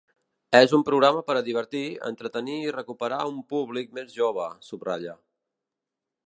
És un programa per a divertir, entretenir i recuperar un públic més jove, subratlla.